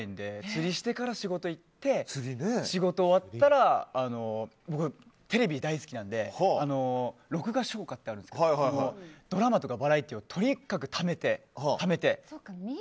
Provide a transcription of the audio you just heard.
釣りをしてから仕事に行って仕事終わったら僕、テレビ大好きなので録画消化ってあるんですけどドラマとかバラエティーをとにかくためて、ためて。